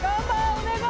お願い！